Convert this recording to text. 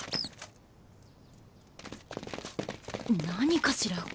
何かしら？